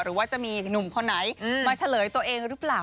หรือว่าจะมีหนุ่มคนไหนมาเฉลยตัวเองหรือเปล่า